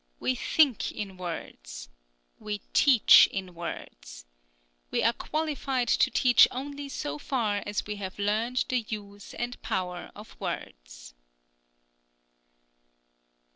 We think in words. We teach in words. We are qualified to teach only so far as we have learned the use and power of words.